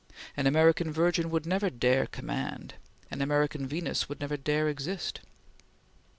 An American Virgin would never dare command; an American Venus would never dare exist.